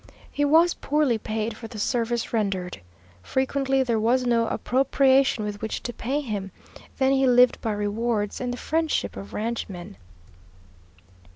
He was poorly paid for the service rendered. Frequently there was no appropriation with which to pay him; then he lived by rewards and the friendship of ranchmen.